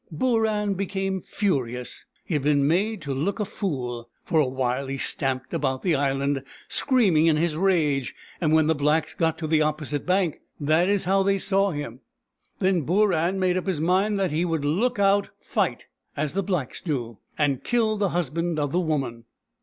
Booran became furious. He had been made to look a fool. For awhile he stamped about the island, screaming in his rage, and when the blacks got to the opposite bank that is how they saw him. Then Booran made up his mind that he would " look out fight," as the blacks do, and kill the husband of the woman.